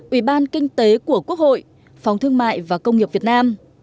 ủy ban kinh tế của quốc hội phòng thương mại và công nghiệp việt nam